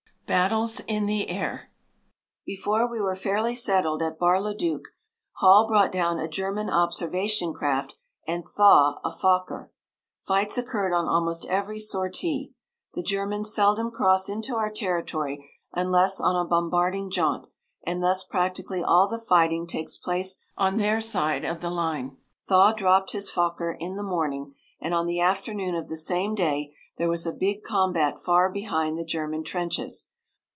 BATTLES IN THE AIR Before we were fairly settled at Bar le Duc, Hall brought down a German observation craft and Thaw a Fokker. Fights occurred on almost every sortie. The Germans seldom cross into our territory, unless on a bombarding jaunt, and thus practically all the fighting takes place on their side of the line. Thaw dropped his Fokker in the morning, and on the afternoon of the same day there was a big combat far behind the German trenches.